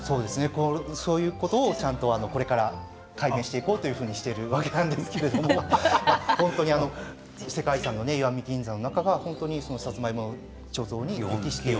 そういうことをこれから解明していこうというわけなんですけれども世界遺産石見銀山の中がさつまいもの貯蔵に適している。